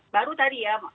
baru tadi ya